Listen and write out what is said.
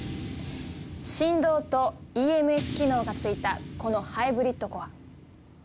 振動とＥＭＳ機能がついたこのハイブリッドコア。